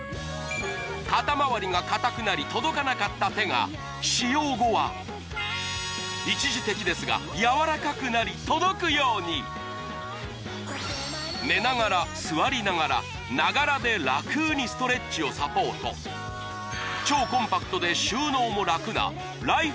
肩まわりが硬くなり届かなかった手が使用後は一時的ですがやわらかくなり届くように寝ながら座りながらながらで楽にストレッチをサポート超コンパクトで収納も楽なライフ